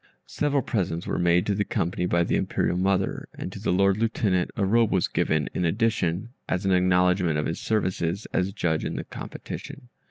Several presents were made to the company by the Imperial mother, and to the Lord Lieutenant a robe was given in addition, as an acknowledgment of his services as judge in the competition.